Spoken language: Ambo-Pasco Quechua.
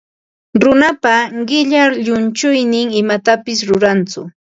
Runapa qilla llunchuynin imatapis rurantsu.